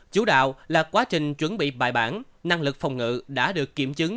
chủ đạo là quá trình chuẩn bị bài bản năng lực phong ngự đã được kiểm chứng